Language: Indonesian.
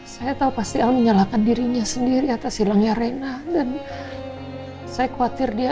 saya tahu pasti al menyalahkan dirinya sendiri atas hilangnya reina dan saya khawatir dia